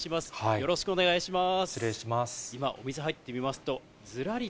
よろしくお願いします。